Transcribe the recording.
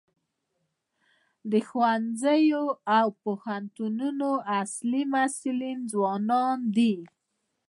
د ښوونځیو او پوهنتونونو اصلي محصلین ځوانان دي.